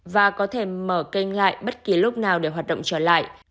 và có thể mở kênh lại bất kỳ lúc nào để hoạt động trở lại